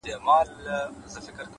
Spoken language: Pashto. د زړه رڼا په چلند ښکاري؛